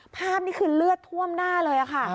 ภาพนี้คือเลือดท่วมหน้าเลยค่ะ